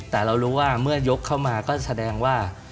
แต่เรารู้ว่าเมื่อยกเข้ามาก็แสดงว่า